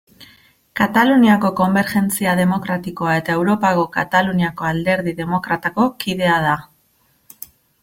Kataluniako Konbergentzia Demokratikoa eta Europako Kataluniako Alderdi Demokratako kidea da.